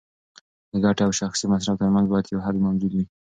د ګټې او شخصي مصرف ترمنځ باید یو حد موجود وي.